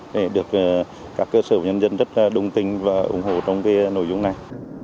để được các cơ sở và nhân dân rất đông tinh và ủng hộ trong cái nội dung này